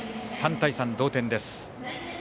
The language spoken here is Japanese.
３対３の同点です。